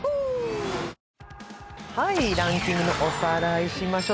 ランキングをおさらいしましょう。